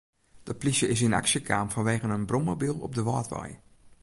De plysje is yn aksje kaam fanwegen in brommobyl op de Wâldwei.